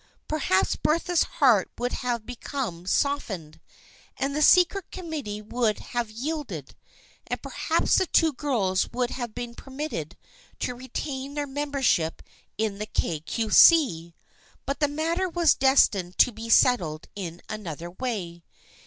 Perhaps Bertha's heart would have become soft ened and the secret committee would have yielded, and perhaps the two girls would have been permitted to retain their membership in the Kay Cue See, but the matter was destined to be settled in another way.